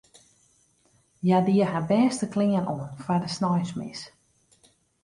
Hja die har bêste klean oan foar de sneinsmis.